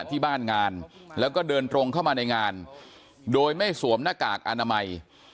ที่บ้านงานแล้วก็เดินตรงเข้ามาในงานโดยไม่สวมหน้ากากอนามัย